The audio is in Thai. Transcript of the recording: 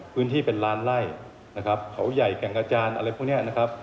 พื้นที่เป็นร้านไล่ขาวใหญ่แก่งกระจานอะไรพวกนี้